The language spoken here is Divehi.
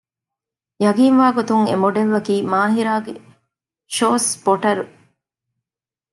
ޔަގީންވާގޮތުން އެ މޮޑެލްއަކީ މާހިރާގެ ޝޯ ސްޕޮޓަރު